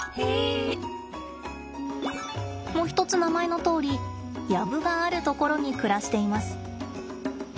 もひとつ名前のとおり藪がある所に暮らしています。